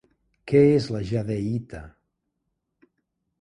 Què és la jadeïta?